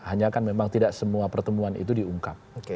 hanya kan memang tidak semua pertemuan itu diungkap